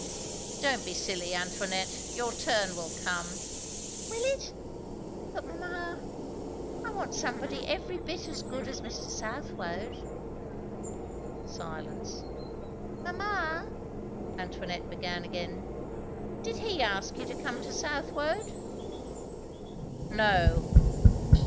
"Don't be silly, Antoinette! Your turn will come." "Will it? But mamma, I want somebody every bit as good as Mr. Southwode." Silence. "Mamma," Antoinette began again, "did he ask you to come to Southwode?" "No."